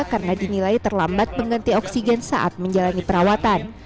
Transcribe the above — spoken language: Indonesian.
karena dinilai terlambat mengganti oksigen saat menjalani perawatan